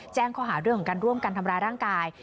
แจ้งข้อหาเรื่องของการร่วมกันทำร้ายร่างกาย